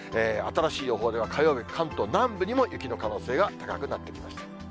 新しい予報では、火曜日、関東南部にも雪の可能性が高くなってきました。